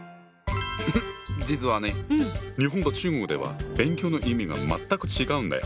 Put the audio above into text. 実はね日本と中国では「勉強」の意味が全く違うんだよ。